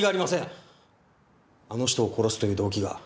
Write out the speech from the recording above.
あの人を殺すという動機が。